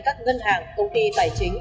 các ngân hàng công ty tài chính